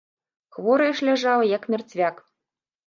Хворая ж ляжала, як мярцвяк.